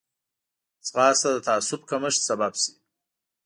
ځغاسته د تعصب کمښت سبب شي